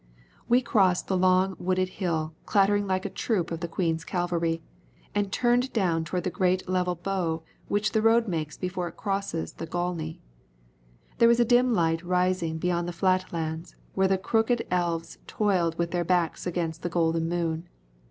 We crossed the long wooded hill clattering like a troop of the queen's cavalry, and turned down toward the great level bow which the road makes before it crosses the Gauley. There was a dim light rising beyond the flat lands where the crooked elves toiled with their backs against the golden moon.